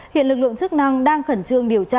hiện lực lượng chức năng đang khẩn trương điều tra